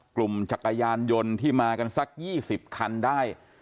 จักรยานยนต์ที่มากันสัก๒๐คันได้